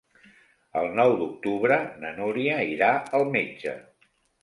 El nou d'octubre na Núria irà al metge.